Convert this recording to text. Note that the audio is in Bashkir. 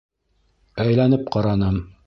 Әйләнеп ҡараным.